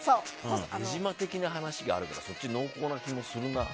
出島みたいな話があるからそっち濃厚な気がするな。